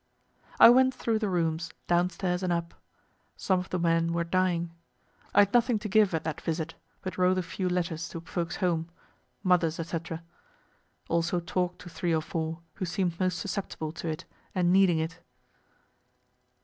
I went through the rooms, downstairs and up. Some of the men were dying. I had nothing to give at that visit, but wrote a few letters to folks home, mothers, &c. Also talk'd to three or four, who seem'd most susceptible to it, and needing it.